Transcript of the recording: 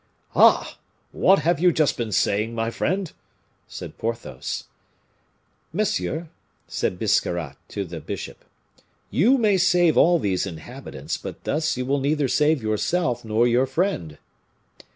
"Ah! what have you just been saying, my friend?" said Porthos. "Monsieur," said Biscarrat to the bishop, "you may save all these inhabitants, but thus you will neither save yourself nor your friend."